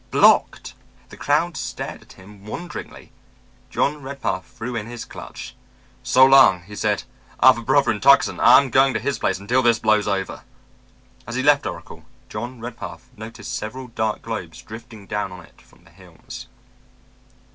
Blocked! The crowd stared at him wonderingly. John Redpath threw in his clutch. "So long," he said. "I've a brother in Tucson, and I'm going to his place until this blows over." As he left Oracle, John Redpath noticed several dark globes drifting down on it from the hills.